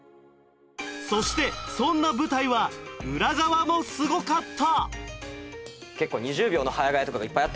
そしてそんな舞台は裏側もすごかった！